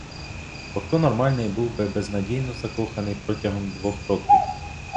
Бо хто нормальний був би безнадійно закоханий протягом двох років?